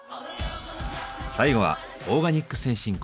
最後はオーガニック先進国